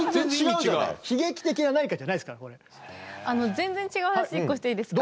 全然違う話一個していいですか。